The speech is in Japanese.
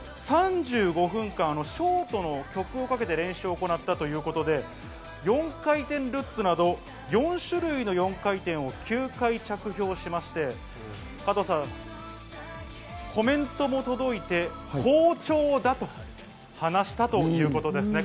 ３５分間、ショートの曲をかけて練習を行ったということで４回転ルッツなど４種類の４回転を９回着氷しまして、加藤さん、コメントも届いて好調だと話したということです。